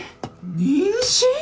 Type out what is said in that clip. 妊娠！？